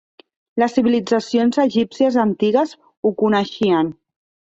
Les civilitzacions egípcies antigues ho coneixien.